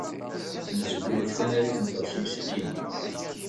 Nesgulef tanarit-nteɣ s yiselkimen.